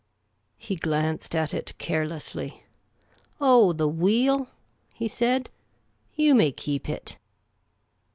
He glanced at it carelessly. " Oh, the wheel ?" he said. '' You may keep it.